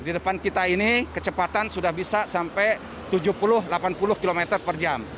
di depan kita ini kecepatan sudah bisa sampai tujuh puluh delapan puluh km per jam